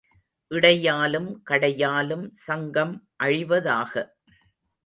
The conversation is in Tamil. இடையாலும் கடையாலும் சங்கம் அழிவதாக.